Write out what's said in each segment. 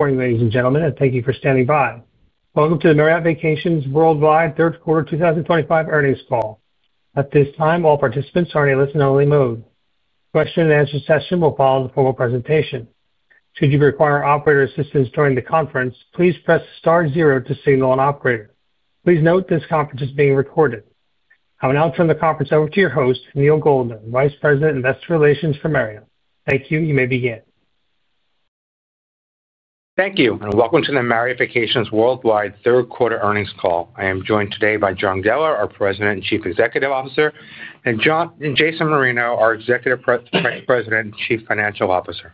Morning, ladies and gentlemen, and thank you for standing by. Welcome to the Marriott Vacations Worldwide Q3 2025 earnings call. At this time, all participants are in a listen-only mode. Question-and-answer session will follow the formal presentation. Should you require operator assistance during the conference, please press star zero to signal an operator. Please note this conference is being recorded. I will now turn the conference over to your host, Neal Goldner, Vice President, Investor Relations for Marriott Vacations Worldwide. Thank you. You may begin. Thank you, and welcome to the Marriott Vacations Worldwide Q3 earnings call. I am joined today by John Geller, our President and Chief Executive Officer, and Jason Marino, our Executive President and Chief Financial Officer.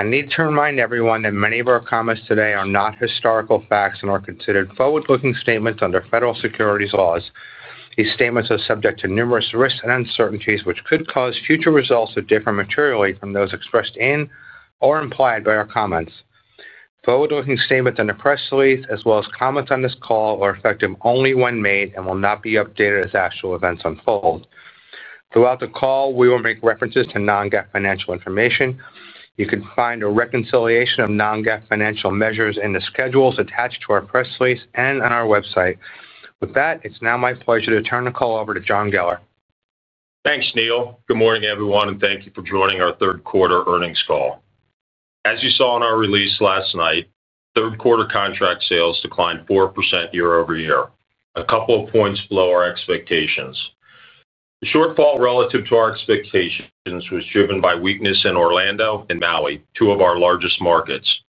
I need to remind everyone that many of our comments today are not historical facts and are considered forward-looking statements under federal securities laws. These statements are subject to numerous risks and uncertainties, which could cause future results to differ materially from those expressed in or implied by our comments. Forward-looking statements and the press release, as well as comments on this call, are effective only when made and will not be updated as actual events unfold. Throughout the call, we will make references to non-GAAP financial information. You can find a reconciliation of non-GAAP financial measures in the schedules attached to our press release and on our website. With that, it's now my pleasure to turn the call over to John Geller. Thanks, Neal. Good morning, everyone, and thank you for joining our Q3 earnings call. As you saw in our release last night, Q3 contract sales declined 4% year-over-year, a couple of points below our expectations. The shortfall relative to our expectations was driven by weakness in Orlando and Maui, two of our largest markets.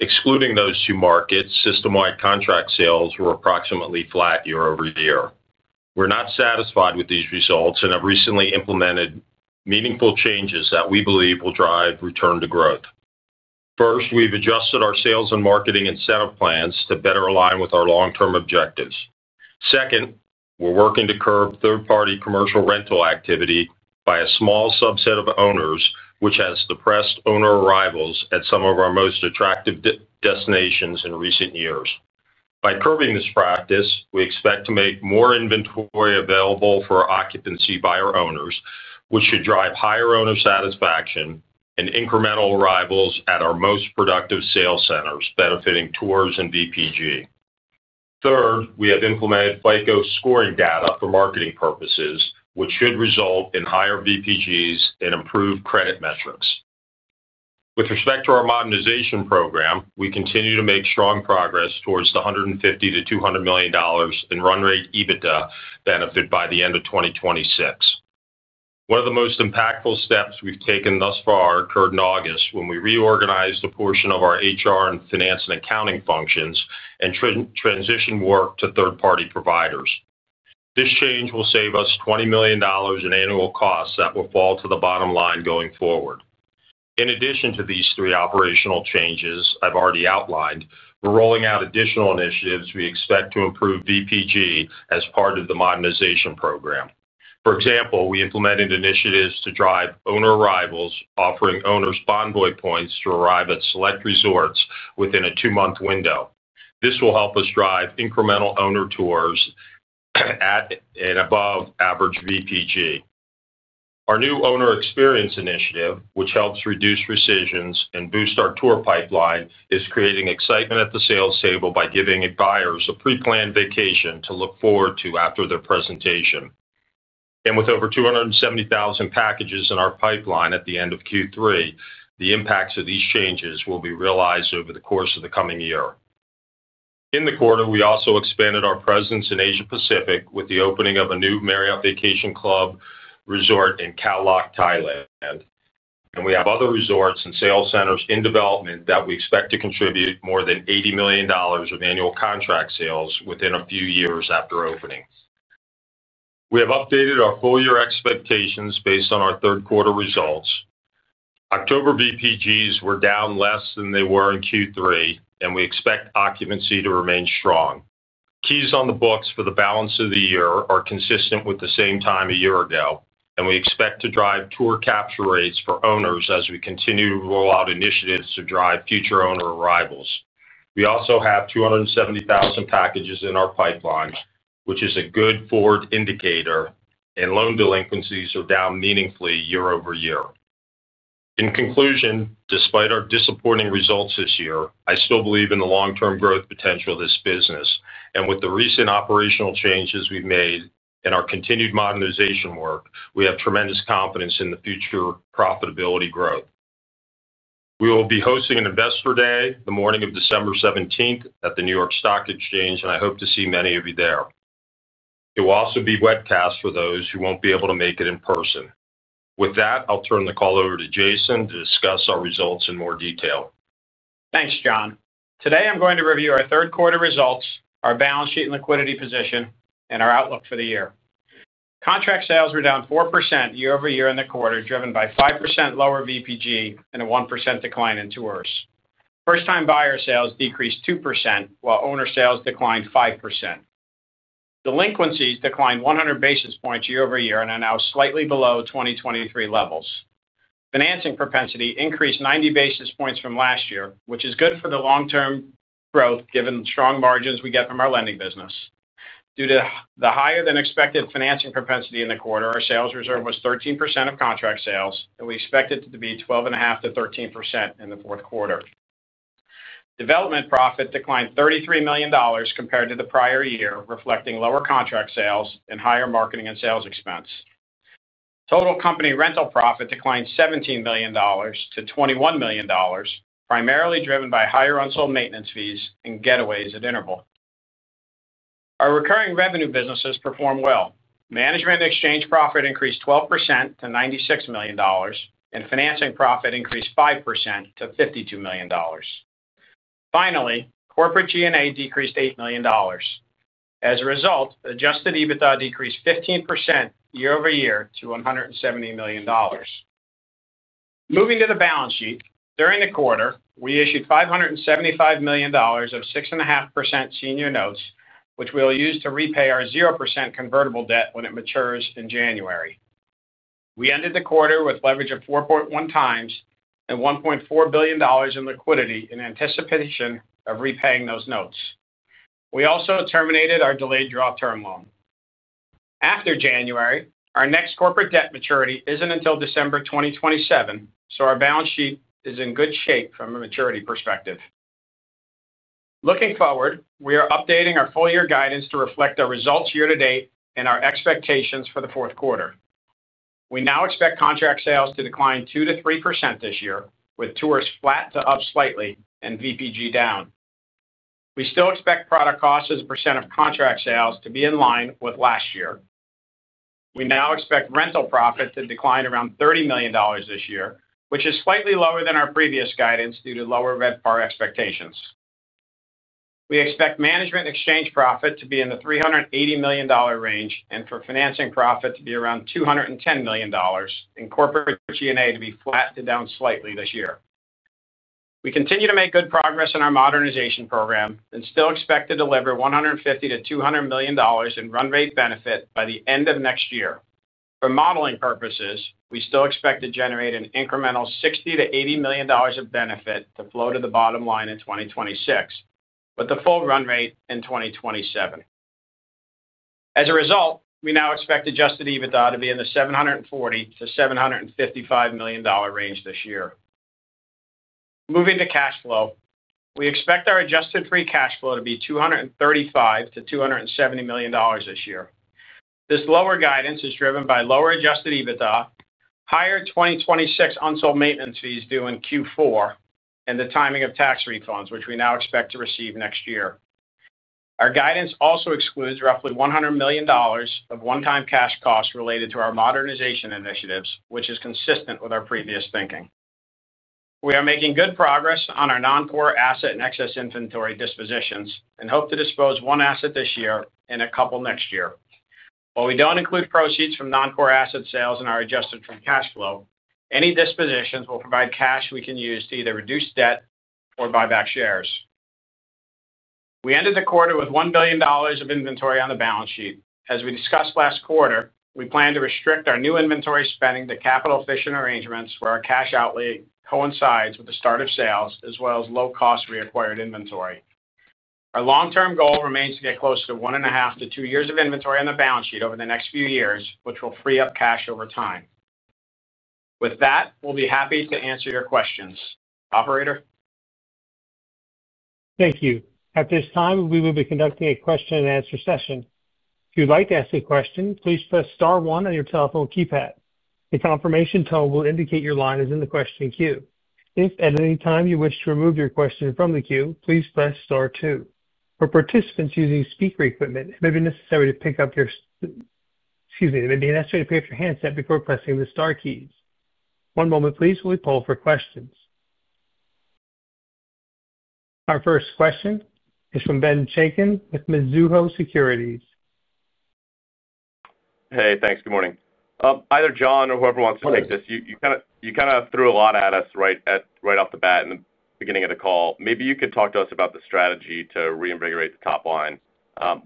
Excluding those two markets, system-wide contract sales were approximately flat year-over-year. We're not satisfied with these results and have recently implemented meaningful changes that we believe will drive return to growth. First, we've adjusted our sales and marketing incentive plans to better align with our long-term objectives. Second, we're working to curb third-party commercial rental activity by a small subset of owners, which has depressed owner arrivals at some of our most attractive destinations in recent years. By curbing this practice, we expect to make more inventory available for occupancy by our owners, which should drive higher owner satisfaction and incremental arrivals at our most productive sales centers, benefiting tours and VPG. Third, we have implemented FICO scoring data for marketing purposes, which should result in higher VPGs and improved credit metrics. With respect to our modernization program, we continue to make strong progress towards the $150 million-$200 million in run rate EBITDA benefit by the end of 2026. One of the most impactful steps we've taken thus far occurred in August when we reorganized a portion of our HR and finance and accounting functions and transitioned work to third-party providers. This change will save us $20 million in annual costs that will fall to the bottom line going forward. In addition to these three operational changes I've already outlined, we're rolling out additional initiatives we expect to improve VPG as part of the modernization program. For example, we implemented initiatives to drive owner arrivals, offering owners Bonvoy points to arrive at select resorts within a two-month window. This will help us drive incremental owner tours at and above average VPG. Our new owner experience initiative, which helps reduce rescissions and boost our tour pipeline, is creating excitement at the sales table by giving buyers a pre-planned vacation to look forward to after their presentation. With over 270,000 packages in our pipeline at the end of Q3, the impacts of these changes will be realized over the course of the coming year. In the quarter, we also expanded our presence in Asia Pacific with the opening of a new Marriott Vacation Club resort in Khao Lak, Thailand. We have other resorts and sales centers in development that we expect to contribute more than $80 million of annual contract sales within a few years after opening. We have updated our full-year expectations based on our Q3 results. October VPGs were down less than they were in Q3, and we expect occupancy to remain strong. Keys on the books for the balance of the year are consistent with the same time a year ago, and we expect to drive tour capture rates for owners as we continue to roll out initiatives to drive future owner arrivals. We also have 270,000 packages in our pipeline, which is a good forward indicator, and loan delinquencies are down meaningfully year-over-year. In conclusion, despite our disappointing results this year, I still believe in the long-term growth potential of this business. With the recent operational changes we've made and our continued modernization work, we have tremendous confidence in the future profitability growth. We will be hosting an Investor Day the morning of December 17th at the New York Stock Exchange, and I hope to see many of you there. It will also be webcast for those who won't be able to make it in person. With that, I'll turn the call over to Jason to discuss our results in more detail. Thanks, John. Today, I'm going to review our Q3 results, our balance sheet and liquidity position, and our outlook for the year. Contract sales were down 4% year-over-year in the quarter, driven by 5% lower VPG and a 1% decline in tours. First-time buyer sales decreased 2%, while owner sales declined 5%. Delinquencies declined 100 basis points year-over-year and are now slightly below 2023 levels. Financing propensity increased 90 basis points from last year, which is good for the long-term growth given the strong margins we get from our lending business. Due to the higher-than-expected financing propensity in the quarter, our sales reserve was 13% of contract sales, and we expect it to be 12.5%-13% in Q4. Development profit declined $33 million compared to the prior year, reflecting lower contract sales and higher marketing and sales expense. Total company rental profit declined $17 million to $21 million, primarily driven by higher unsold maintenance fees and getaways at Interval International. Our recurring revenue businesses performed well. Management and exchange profit increased 12% to $96 million, and financing profit increased 5% to $52 million. Finally, corporate G&A decreased $8 million. As a result, adjusted EBITDA decreased 15% year-over-year to $170 million. Moving to the balance sheet, during the quarter, we issued $575 million of 6.5% senior notes, which we'll use to repay our 0% convertible debt when it matures in January. We ended the quarter with leverage of 4.1 times and $1.4 billion in liquidity in anticipation of repaying those notes. We also terminated our delayed draw term loan. After January, our next corporate debt maturity is not until December 2027, so our balance sheet is in good shape from a maturity perspective. Looking forward, we are updating our full-year guidance to reflect our results year-to-date and our expectations for the Q4. We now expect contract sales to decline 2%-3% this year, with tours flat to up slightly and VPG down. We still expect product cost as a percent of contract sales to be in line with last year. We now expect rental profit to decline around $30 million this year, which is slightly lower than our previous guidance due to lower VEDPAR expectations. We expect management and exchange profit to be in the $380 million range and for financing profit to be around $210 million, and corporate G&A to be flat to down slightly this year. We continue to make good progress in our modernization program and still expect to deliver $150 million-$200 million in run rate benefit by the end of next year. For modeling purposes, we still expect to generate an incremental $60 million-$80 million of benefit to flow to the bottom line in 2026, with a full run rate in 2027. As a result, we now expect adjusted EBITDA to be in the $740 million-$755 million range this year. Moving to cash flow, we expect our adjusted free cash flow to be $235 million-$270 million this year. This lower guidance is driven by lower adjusted EBITDA, higher 2026 unsold maintenance fees due in Q4, and the timing of tax refunds, which we now expect to receive next year. Our guidance also excludes roughly $100 million of one-time cash costs related to our modernization initiatives, which is consistent with our previous thinking. We are making good progress on our non-core asset and excess inventory dispositions and hope to dispose of one asset this year and a couple next year. While we don't include proceeds from non-core asset sales in our adjusted free cash flow, any dispositions will provide cash we can use to either reduce debt or buy back shares. We ended the quarter with $1 billion of inventory on the balance sheet. As we discussed last quarter, we plan to restrict our new inventory spending to capital efficient arrangements where our cash outlay coincides with the start of sales, as well as low-cost reacquired inventory. Our long-term goal remains to get closer to one and a half to two years of inventory on the balance sheet over the next few years, which will free up cash over time. With that, we'll be happy to answer your questions. Operator. Thank you. At this time, we will be conducting a question-and-answer session. If you'd like to ask a question, please press star one on your telephone keypad. A confirmation tone will indicate your line is in the question queue. If at any time you wish to remove your question from the queue, please press star two. For participants using speaker equipment, it may be necessary to pick up your—excuse me—it may be necessary to pick up your handset before pressing the star keys. One moment, please, while we poll for questions. Our first question is from Ben Chaiken with Mizuho Securities. Hey, thanks. Good morning. Either John or whoever wants to take this, you kind of threw a lot at us right off the bat in the beginning of the call. Maybe you could talk to us about the strategy to reinvigorate the top line,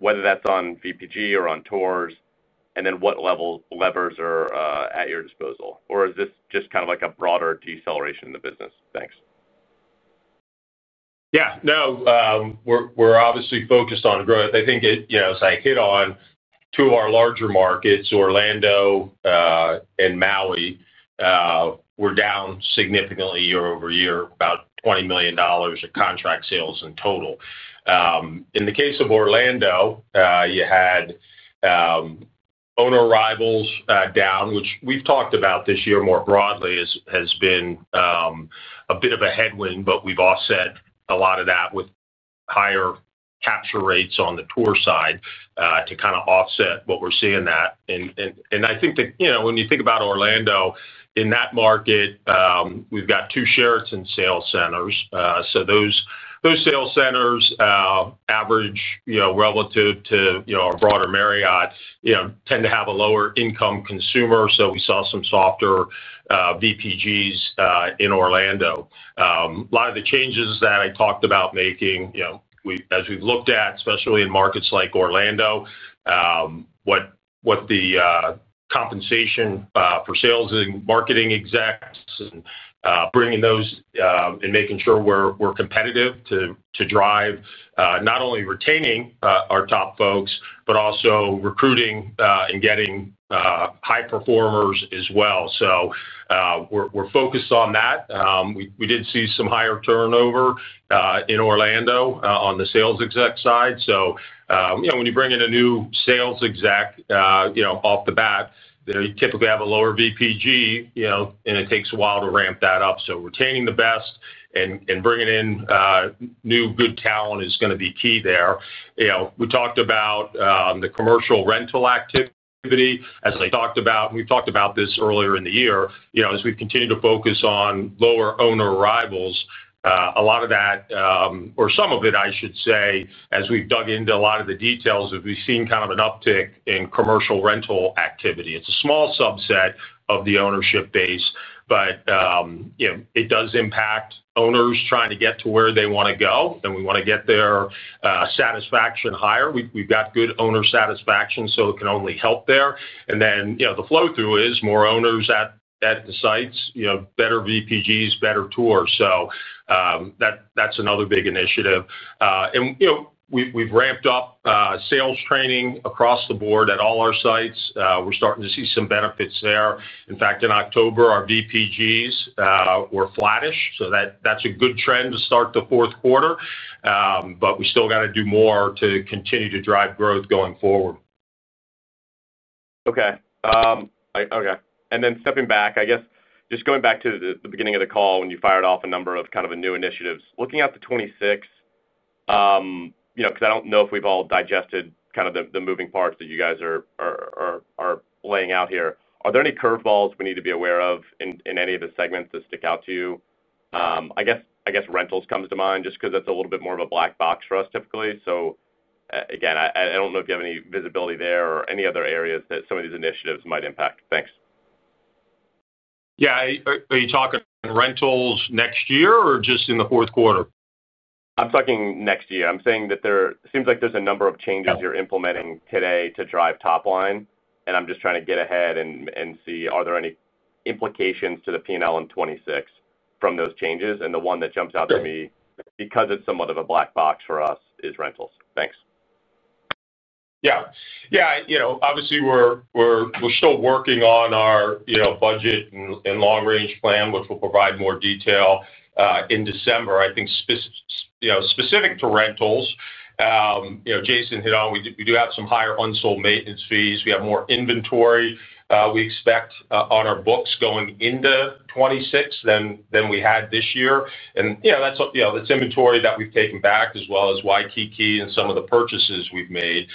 whether that's on VPG or on tours, and then what levers are at your disposal? Or is this just kind of like a broader deceleration in the business? Thanks. Yeah. No. We're obviously focused on growth. I think it's like hit on two of our larger markets, Orlando and Maui. We're down significantly year-over-year, about $20 million of contract sales in total. In the case of Orlando, you had owner arrivals down, which we've talked about this year more broadly has been a bit of a headwind, but we've offset a lot of that with higher capture rates on the tour side to kind of offset what we're seeing there. I think that when you think about Orlando, in that market, we've got two Sheraton sales centers. Those sales centers, average relative to our broader Marriott, tend to have a lower income consumer. We saw some softer VPGs in Orlando. A lot of the changes that I talked about making, as we've looked at, especially in markets like Orlando, what the. Compensation for sales and marketing execs and bringing those and making sure we are competitive to drive not only retaining our top folks, but also recruiting and getting high performers as well. We are focused on that. We did see some higher turnover in Orlando on the sales exec side. When you bring in a new sales exec, off the bat, they typically have a lower VPG, and it takes a while to ramp that up. Retaining the best and bringing in new good talent is going to be key there. We talked about the commercial rental activity, as I talked about, and we talked about this earlier in the year. As we have continued to focus on lower owner arrivals, a lot of that. Or some of it, I should say, as we've dug into a lot of the details, we've seen kind of an uptick in commercial rental activity. It's a small subset of the ownership base, but it does impact owners trying to get to where they want to go. We want to get their satisfaction higher. We've got good owner satisfaction, so it can only help there. The flow through is more owners at the sites, better VPGs, better tours. That's another big initiative. We've ramped up sales training across the board at all our sites. We're starting to see some benefits there. In fact, in October, our VPGs were flattish. That's a good trend to start the Q4. We still got to do more to continue to drive growth going forward. Okay. Okay. And then stepping back, I guess, just going back to the beginning of the call when you fired off a number of kind of new initiatives, looking at the 2026. Because I do not know if we have all digested kind of the moving parts that you guys are laying out here. Are there any curveballs we need to be aware of in any of the segments that stick out to you? I guess rentals comes to mind just because that is a little bit more of a black box for us typically. Again, I do not know if you have any visibility there or any other areas that some of these initiatives might impact. Thanks. Yeah. Are you talking rentals next year or just in the Q4? I'm talking next year. I'm saying that there seems like there's a number of changes you're implementing today to drive top line. I'm just trying to get ahead and see, are there any implications to the P&L in 2026 from those changes? The one that jumps out to me, because it's somewhat of a black box for us, is rentals. Thanks. Yeah. Yeah. Obviously, we're still working on our budget and long-range plan, which will provide more detail. In December, I think. Specific to rentals. Jason hit on, we do have some higher unsold maintenance fees. We have more inventory we expect on our books going into 2026 than we had this year. And that's inventory that we've taken back, as well as YKK and some of the purchases we've made.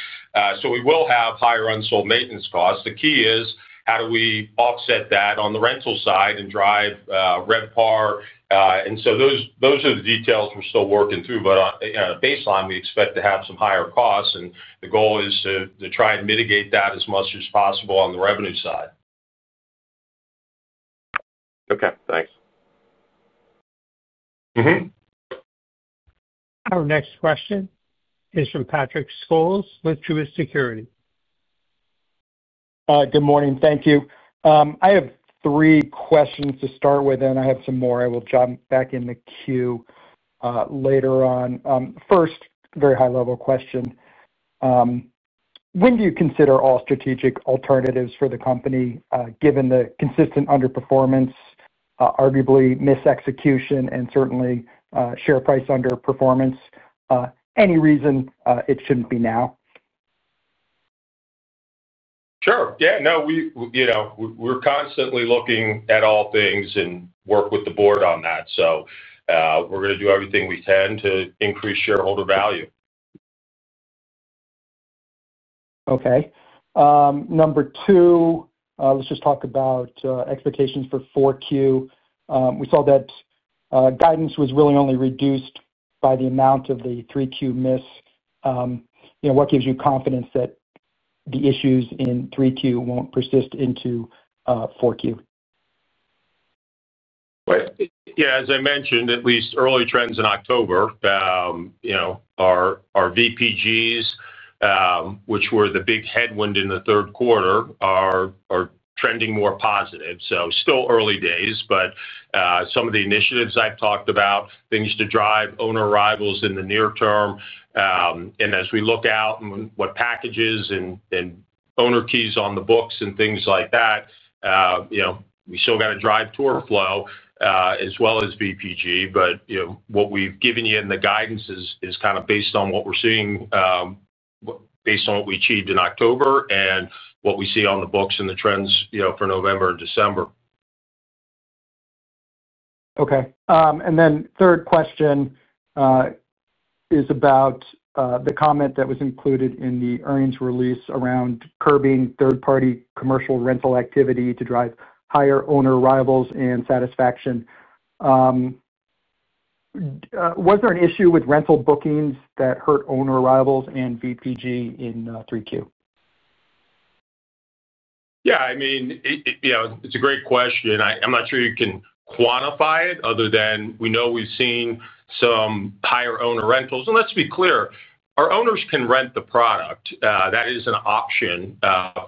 We will have higher unsold maintenance costs. The key is how do we offset that on the rental side and drive VEDPAR? Those are the details we're still working through. At a baseline, we expect to have some higher costs. The goal is to try and mitigate that as much as possible on the revenue side. Okay. Thanks. Our next question is from Patrick Scholes with Truist Securities. Good morning. Thank you. I have three questions to start with, and I have some more I will jump back in the queue later on. First, very high-level question. When do you consider all strategic alternatives for the company, given the consistent underperformance, arguably mis-execution, and certainly share price underperformance? Any reason it shouldn't be now? Sure. Yeah. No. We're constantly looking at all things and work with the board on that. We're going to do everything we can to increase shareholder value. Okay. Number two, let's just talk about expectations for Q4. We saw that guidance was really only reduced by the amount of the Q3 miss. What gives you confidence that the issues in Q3 won't persist into Q4? Yeah. As I mentioned, at least early trends in October, our VPGs, which were the big headwind in the Q3, are trending more positive. Still early days, but some of the initiatives I've talked about, things to drive owner arrivals in the near term. As we look out and what packages and owner keys on the books and things like that, we still got to drive tour flow as well as VPG. What we've given you in the guidance is kind of based on what we're seeing, based on what we achieved in October and what we see on the books and the trends for November and December. Okay. And then third question. Is about. The comment that was included in the earnings release around curbing third-party commercial rental activity to drive higher owner arrivals and satisfaction. Was there an issue with rental bookings that hurt owner arrivals and VPG in Q3? Yeah. I mean, it's a great question. I'm not sure you can quantify it other than we know we've seen some higher owner rentals. Let's be clear, our owners can rent the product. That is an option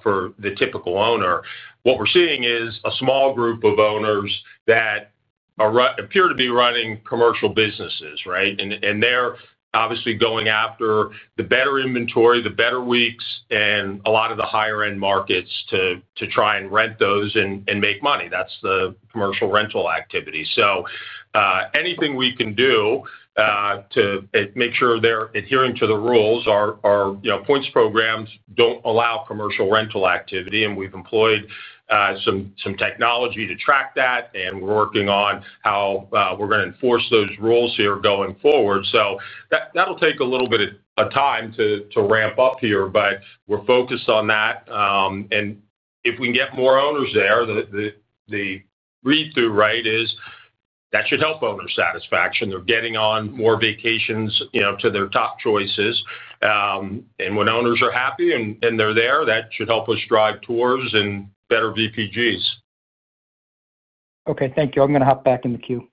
for the typical owner. What we're seeing is a small group of owners that appear to be running commercial businesses, right? They're obviously going after the better inventory, the better weeks, and a lot of the higher-end markets to try and rent those and make money. That's the commercial rental activity. Anything we can do to make sure they're adhering to the rules, our points programs don't allow commercial rental activity. We've employed some technology to track that, and we're working on how we're going to enforce those rules here going forward. That'll take a little bit of time to ramp up here, but we're focused on that. If we can get more owners there, the read-through, right, is that should help owner satisfaction. They're getting on more vacations to their top choices. When owners are happy and they're there, that should help us drive tours and better VPGs. Okay. Thank you. I'm going to hop back in the queue.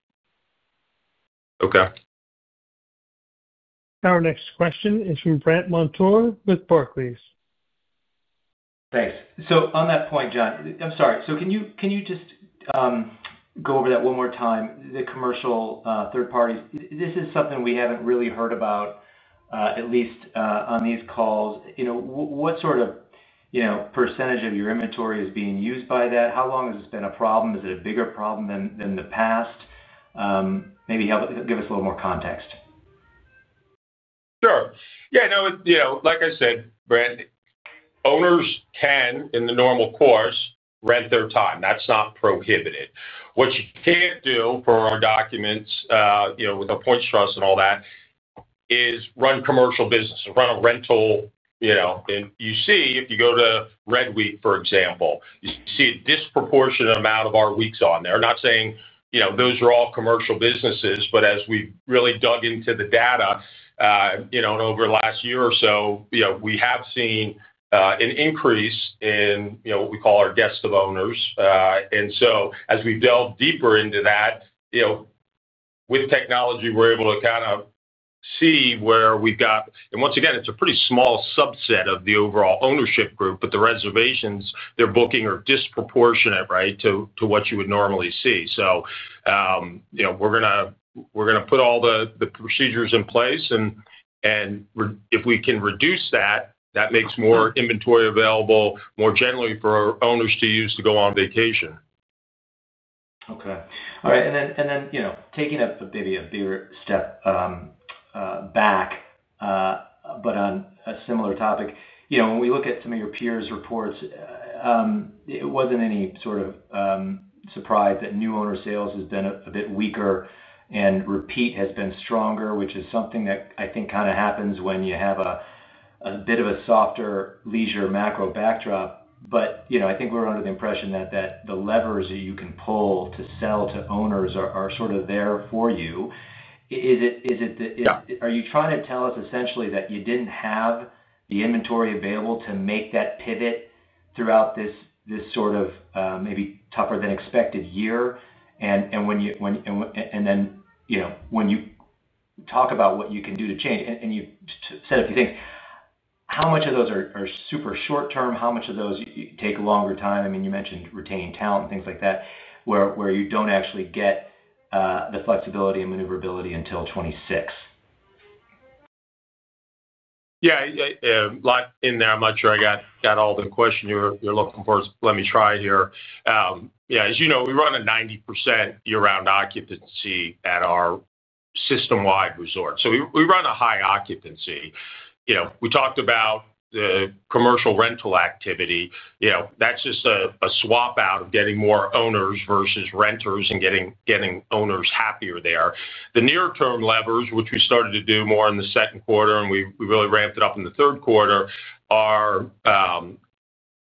Okay. Our next question is from Brent Montour with Barclays. Thanks. On that point, John, I'm sorry. Can you just go over that one more time, the commercial third parties? This is something we haven't really heard about, at least on these calls. What sort of percentage of your inventory is being used by that? How long has this been a problem? Is it a bigger problem than the past? Maybe give us a little more context. Sure. Yeah. No. Like I said, Brent, owners can, in the normal course, rent their time. That's not prohibited. What you can't do for our documents with the points trust and all that is run commercial businesses, run a rental. You see, if you go to Red Week, for example, you see a disproportionate amount of our weeks on there. I'm not saying those are all commercial businesses, but as we've really dug into the data over the last year or so, we have seen an increase in what we call our guest of owners. As we delve deeper into that with technology, we're able to kind of see where we've got, and once again, it's a pretty small subset of the overall ownership group, but the reservations they're booking are disproportionate, right, to what you would normally see. We're going to put all the procedures in place. If we can reduce that, that makes more inventory available, more generally for our owners to use to go on vacation. Okay. All right. Taking maybe a bigger step back, but on a similar topic, when we look at some of your peers' reports, it was not any sort of surprise that new owner sales have been a bit weaker and repeat has been stronger, which is something that I think kind of happens when you have a bit of a softer leisure macro backdrop. I think we are under the impression that the levers that you can pull to sell to owners are sort of there for you. Is it, are you trying to tell us essentially that you did not have the inventory available to make that pivot throughout this sort of maybe tougher-than-expected year? When you talk about what you can do to change, and you said a few things, how much of those are super short-term? How much of those take longer time? I mean, you mentioned retaining talent and things like that, where you do not actually get the flexibility and maneuverability until 2026. Yeah. Locked in there. I'm not sure I got all the questions you're looking for. Let me try here. Yeah. As you know, we run a 90% year-round occupancy at our system-wide resort. So we run a high occupancy. We talked about the commercial rental activity. That's just a swap out of getting more owners versus renters and getting owners happier there. The near-term levers, which we started to do more in the second quarter, and we really ramped it up in the third quarter, are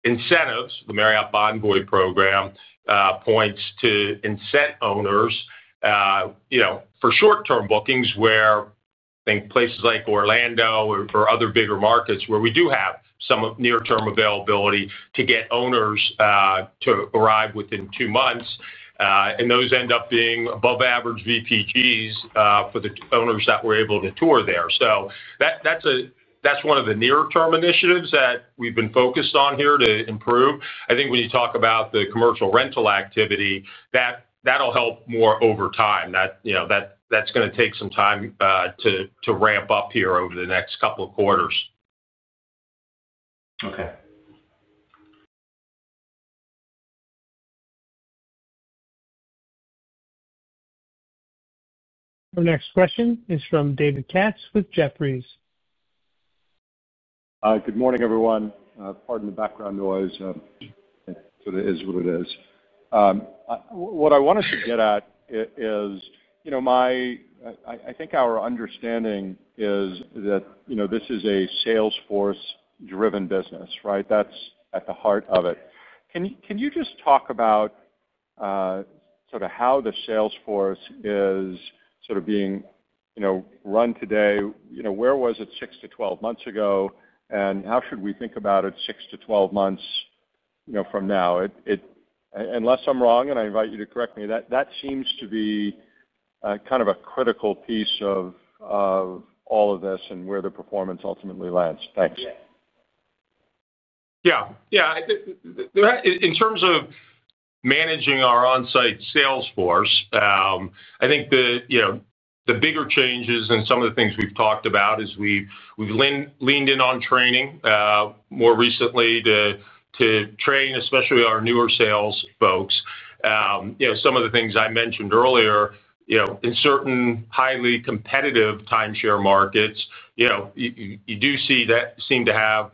incentives. The Marriott Bonvoy program points to incent owners for short-term bookings, where I think places like Orlando or other bigger markets, where we do have some near-term availability to get owners to arrive within two months. Those end up being above-average VPGs for the owners that were able to tour there. That's one of the near-term initiatives that we've been focused on here to improve. I think when you talk about the commercial rental activity, that'll help more over time. That's going to take some time to ramp up here over the next couple of quarters. Okay. Our next question is from David Katz with Jefferies. Good morning, everyone. Pardon the background noise. It is what it is. What I want us to get at is, I think our understanding is that this is a Salesforce-driven business, right? That's at the heart of it. Can you just talk about sort of how the Salesforce is sort of being run today? Where was it 6 months to 12 months ago? And how should we think about it 6 months to 12 months from now? Unless I'm wrong, and I invite you to correct me, that seems to be kind of a critical piece of all of this and where the performance ultimately lands. Thanks. Yeah. Yeah. In terms of managing our on-site Salesforce, I think the bigger changes and some of the things we've talked about is we've leaned in on training more recently to train, especially our newer sales folks. Some of the things I mentioned earlier, in certain highly competitive timeshare markets, you do see that seem to have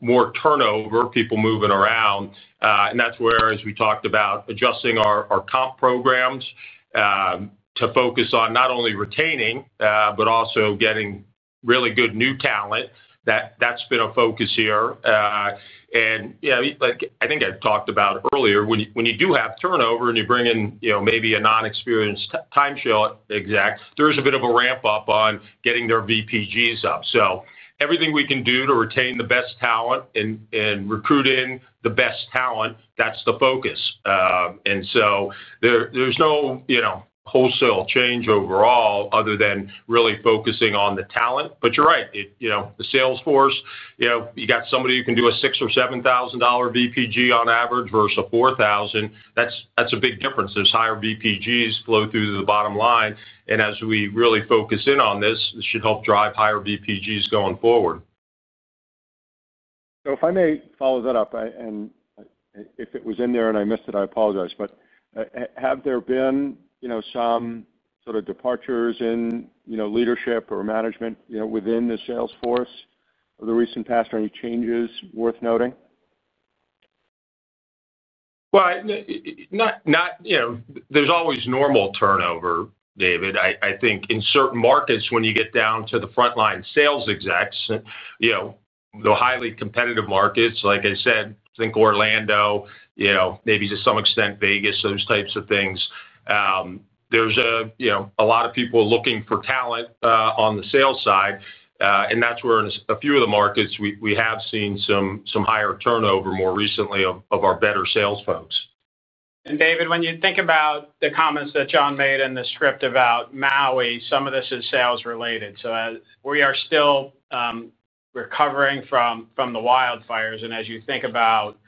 more turnover, people moving around. That's where, as we talked about, adjusting our comp programs to focus on not only retaining but also getting really good new talent. That's been a focus here. I think I talked about earlier, when you do have turnover and you bring in maybe a non-experienced timeshare exec, there's a bit of a ramp-up on getting their VPGs up. Everything we can do to retain the best talent and recruit in the best talent, that's the focus. There's no wholesale change overall other than really focusing on the talent. You are right. The Salesforce, you got somebody who can do a $6,000 or $7,000 VPG on average versus a $4,000. That is a big difference. Those higher VPGs flow through the bottom line. As we really focus in on this, this should help drive higher VPGs going forward. If I may follow that up, and if it was in there and I missed it, I apologize, but have there been some sort of departures in leadership or management within the Salesforce of the recent past? Are any changes worth noting? There is always normal turnover, David. I think in certain markets, when you get down to the frontline sales execs. The highly competitive markets, like I said, think Orlando, maybe to some extent Vegas, those types of things. There is a lot of people looking for talent on the sales side. That is where in a few of the markets, we have seen some higher turnover more recently of our better sales folks. David, when you think about the comments that John made in the script about Maui, some of this is sales-related. We are still recovering from the wildfires. As you think about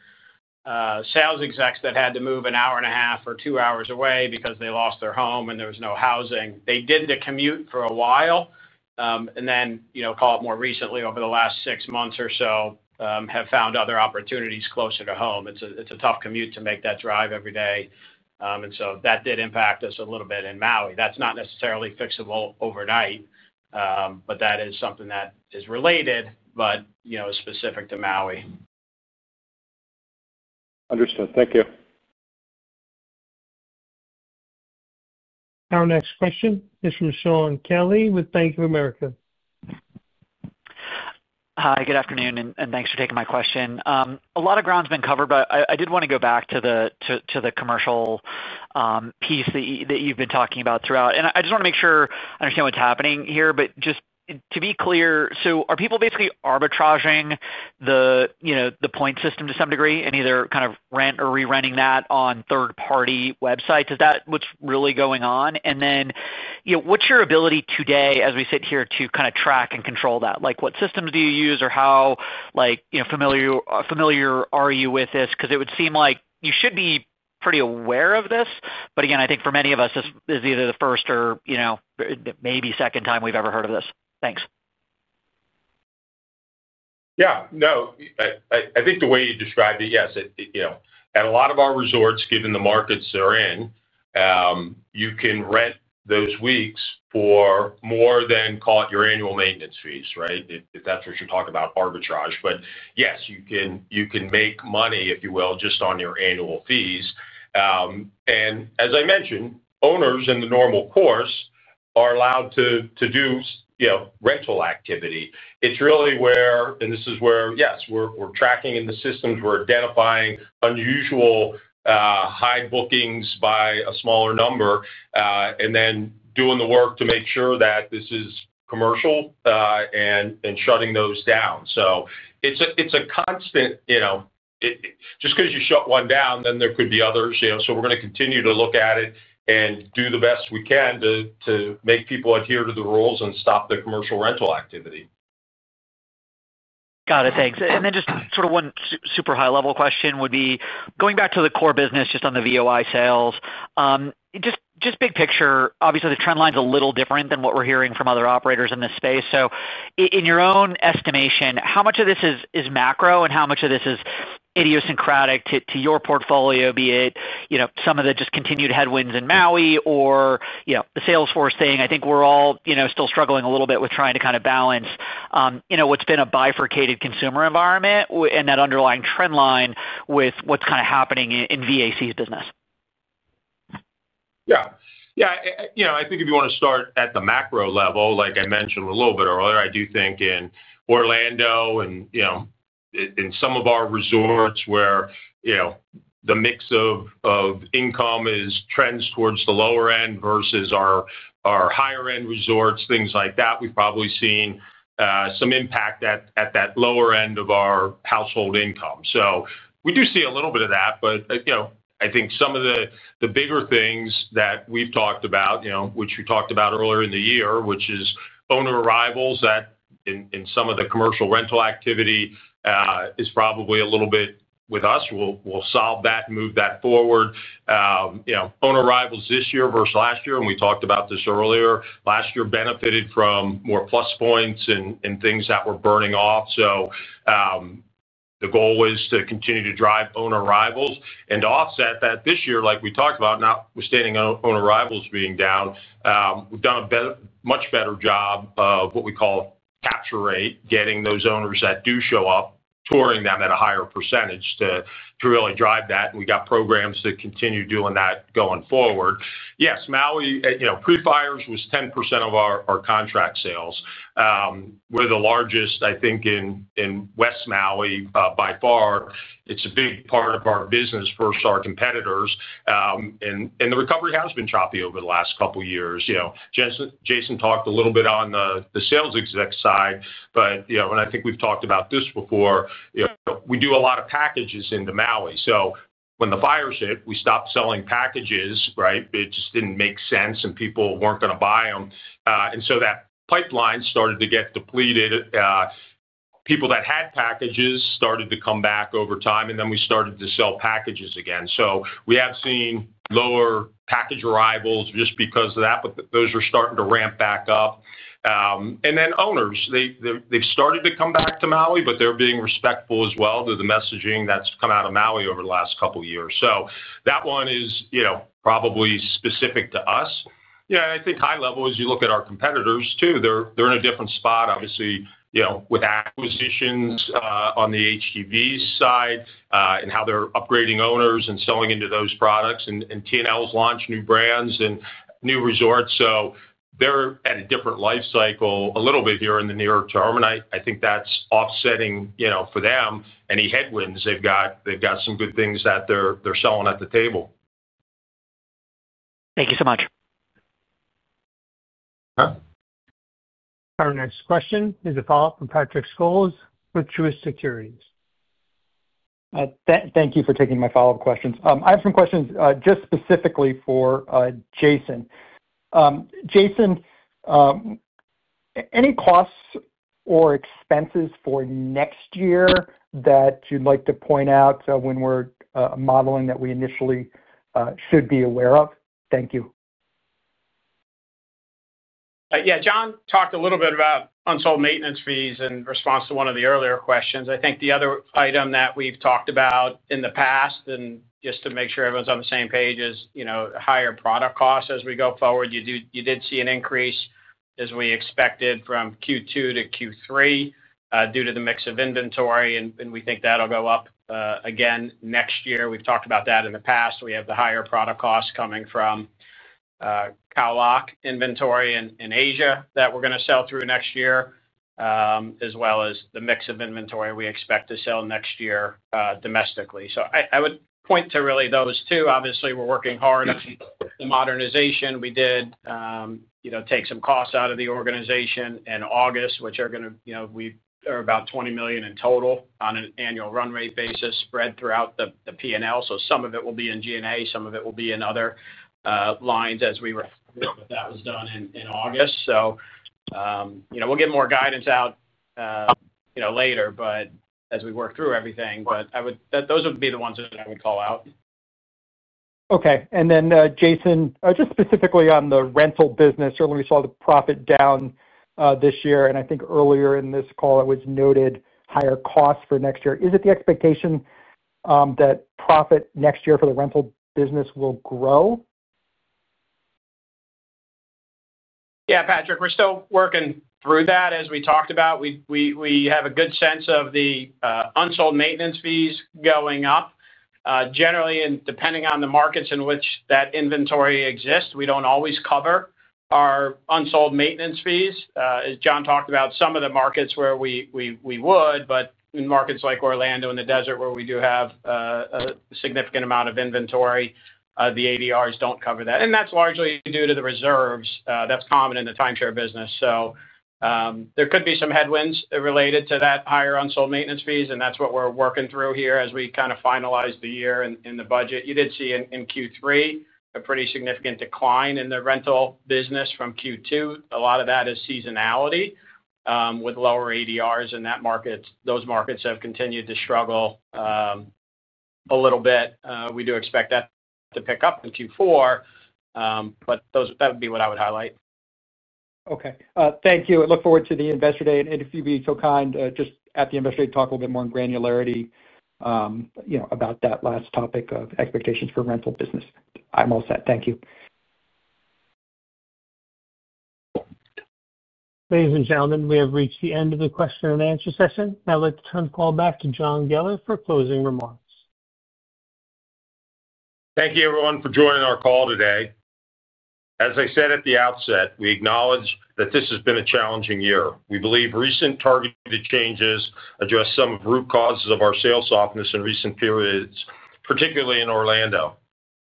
sales execs that had to move an hour and a half or two hours away because they lost their home and there was no housing, they did the commute for a while. Then, more recently, over the last six months or so, have found other opportunities closer to home. It is a tough commute to make that drive every day. That did impact us a little bit in Maui. That is not necessarily fixable overnight. That is something that is related, but specific to Maui. Understood. Thank you. Our next question is from Sean Kelly with Bank of America. Hi, good afternoon. Thanks for taking my question. A lot of ground's been covered, but I did want to go back to the commercial piece that you've been talking about throughout. I just want to make sure I understand what's happening here, but just to be clear, are people basically arbitraging the point system to some degree and either kind of rent or re-renting that on third-party websites? Is that what's really going on? What's your ability today, as we sit here, to kind of track and control that? What systems do you use or how familiar are you with this? It would seem like you should be pretty aware of this. I think for many of us, this is either the first or maybe second time we've ever heard of this. Thanks. Yeah. No. I think the way you described it, yes. At a lot of our resorts, given the markets they're in. You can rent those weeks for more than, call it, your annual maintenance fees, right? If that's what you're talking about, arbitrage. Yes, you can make money, if you will, just on your annual fees. As I mentioned, owners in the normal course are allowed to do rental activity. It's really where—this is where, yes, we're tracking in the systems, we're identifying unusual high bookings by a smaller number, and then doing the work to make sure that this is commercial and shutting those down. It's a constant. Just because you shut one down, there could be others. We're going to continue to look at it and do the best we can to make people adhere to the rules and stop the commercial rental activity. Got it. Thanks. Just sort of one super high-level question would be, going back to the core business, just on the VOI sales. Just big picture, obviously, the trend line's a little different than what we're hearing from other operators in this space. In your own estimation, how much of this is macro and how much of this is idiosyncratic to your portfolio, be it some of the just continued headwinds in Maui or the Salesforce thing? I think we're all still struggling a little bit with trying to kind of balance what's been a bifurcated consumer environment and that underlying trend line with what's kind of happening in VAC's business. Yeah. Yeah. I think if you want to start at the macro level, like I mentioned a little bit earlier, I do think in Orlando and in some of our resorts where the mix of income trends towards the lower end versus our higher-end resorts, things like that, we've probably seen some impact at that lower end of our household income. We do see a little bit of that, but I think some of the bigger things that we've talked about, which we talked about earlier in the year, which is owner arrivals and some of the commercial rental activity, is probably a little bit with us. We'll solve that and move that forward. Owner arrivals this year versus last year, and we talked about this earlier, last year benefited from more plus points and things that were burning off. The goal was to continue to drive owner arrivals and to offset that this year, like we talked about, notwithstanding owner arrivals being down. We've done a much better job of what we call capture rate, getting those owners that do show up, touring them at a higher percentage to really drive that. We got programs to continue doing that going forward. Yes, Maui, pre-fires was 10% of our contract sales. We're the largest, I think, in West Maui by far. It's a big part of our business versus our competitors. The recovery has been choppy over the last couple of years. Jason talked a little bit on the sales exec side, but I think we've talked about this before. We do a lot of packages into Maui. When the fires hit, we stopped selling packages, right? It just did not make sense, and people were not going to buy them. That pipeline started to get depleted. People that had packages started to come back over time, and then we started to sell packages again. We have seen lower package arrivals just because of that, but those are starting to ramp back up. Owners have started to come back to Maui, but they are being respectful as well to the messaging that has come out of Maui over the last couple of years. That one is probably specific to us. Yeah. I think high level is you look at our competitors too. They are in a different spot, obviously, with acquisitions on the HDV side and how they are upgrading owners and selling into those products, T&L has launched new brands and new resorts. They're at a different life cycle a little bit here in the near term. I think that's offsetting for them any headwinds. They've got some good things that they're selling at the table. Thank you so much. Okay. Our next question is a follow-up from Patrick Scholes with Truist Securities. Thank you for taking my follow-up questions. I have some questions just specifically for Jason. Jason, any costs or expenses for next year that you'd like to point out when we're modeling that we initially should be aware of? Thank you. Yeah. John talked a little bit about unsold maintenance fees in response to one of the earlier questions. I think the other item that we've talked about in the past, and just to make sure everyone's on the same page, is higher product costs as we go forward. You did see an increase, as we expected, from Q2 to Q3 due to the mix of inventory. We think that'll go up again next year. We've talked about that in the past. We have the higher product costs coming from Khao Lak inventory in Asia that we're going to sell through next year, as well as the mix of inventory we expect to sell next year domestically. I would point to really those two. Obviously, we're working hard on the modernization. We did take some costs out of the organization in August, which are going to—we are about $20 million in total on an annual run rate basis spread throughout the P&L. Some of it will be in G&A. Some of it will be in other lines as we were—that was done in August. We'll get more guidance out later, but as we work through everything. Those would be the ones that I would call out. Okay. Jason, just specifically on the rental business, certainly we saw the profit down this year. I think earlier in this call, it was noted higher costs for next year. Is it the expectation that profit next year for the rental business will grow? Yeah, Patrick, we're still working through that. As we talked about, we have a good sense of the unsold maintenance fees going up. Generally, and depending on the markets in which that inventory exists, we don't always cover our unsold maintenance fees. As John talked about, some of the markets where we would, but in markets like Orlando in the desert where we do have a significant amount of inventory, the ADRs don't cover that. That's largely due to the reserves. That's common in the timeshare business. There could be some headwinds related to that higher unsold maintenance fees. That's what we're working through here as we kind of finalize the year in the budget. You did see in Q3 a pretty significant decline in the rental business from Q2. A lot of that is seasonality with lower ADRs in that market. Those markets have continued to struggle a little bit. We do expect that to pick up in Q4. That would be what I would highlight. Okay. Thank you. I look forward to the investor day. If you'd be so kind, just at the investor day, talk a little bit more in granularity about that last topic of expectations for rental business. I'm all set. Thank you. Ladies and gentlemen, we have reached the end of the question and answer session. I'd like to turn the call back to John Geller for closing remarks. Thank you, everyone, for joining our call today. As I said at the outset, we acknowledge that this has been a challenging year. We believe recent targeted changes address some of the root causes of our sales softness in recent periods, particularly in Orlando.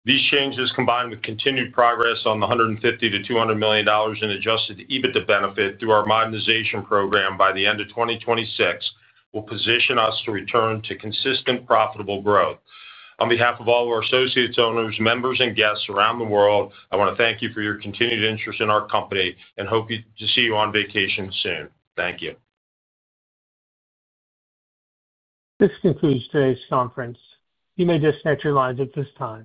These changes, combined with continued progress on the $150 million-$200 million in adjusted EBITDA benefit through our modernization program by the end of 2026, will position us to return to consistent profitable growth. On behalf of all of our associates, owners, members, and guests around the world, I want to thank you for your continued interest in our company and hope to see you on vacation soon. Thank you. This concludes today's conference. You may disconnect your lines at this time.